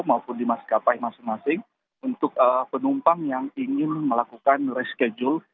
maupun di maskapai masing masing untuk penumpang yang ingin melakukan reschedule